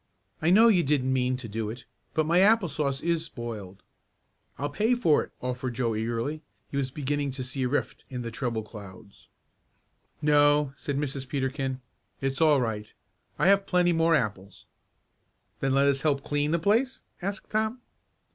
"I know you didn't mean to do it, but my apple sauce is spoiled." "I'll pay for it," offered Joe eagerly. He was beginning to see a rift in the trouble clouds. "No," said Mrs. Peterkin, "it's all right. I have plenty more apples." "Then let us help clean the place?" asked Tom.